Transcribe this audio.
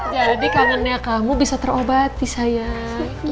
jadi kangennya kamu bisa terobati sayang